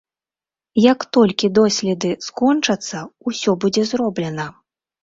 Як толькі доследы скончацца, усё будзе зроблена.